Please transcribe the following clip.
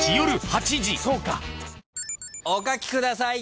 お書きください！